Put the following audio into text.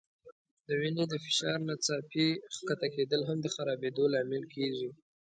د وینې د فشار ناڅاپي ښکته کېدل هم د خرابېدو لامل کېږي.